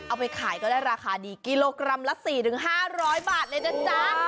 เอาไปขายก็ได้ราคาดีกิโลกรัมละสี่ถึงห้าร้อยบาทเลยนะจ๊ะ